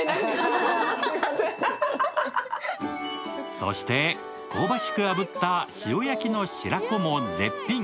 そして、香ばしくあぶった塩焼きの白子も絶品。